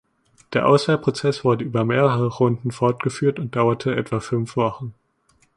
Der Auswahlprozess wurde über mehrere Runden fortgeführt und dauerte etwa fünf Wochen.